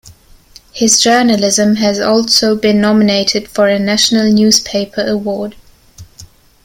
His journalism has also been nominated for a National Newspaper Award.